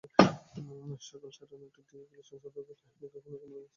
সকাল সাড়ে নয়টায় গুলিস্তান থেকে সদরঘাট এলাকায় কোনোরকম বাধা-বিপত্তি ছাড়াই যানবাহন চলেছে।